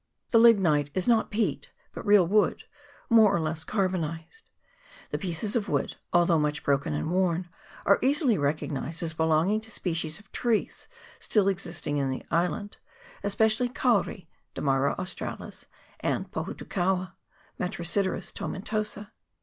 The lignite is not peat, but real wood, more or less carbonized. The pieces of wood, although much broken and worn, are easily recognised as belonging to species of trees still existing in the island, espe cially kauri (Dammara australis) and Pohutu kaua (Metrosideros tomentosa).